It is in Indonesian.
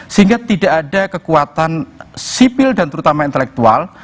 sehingga tidak ada kekuatan sipil dan terutama intelektual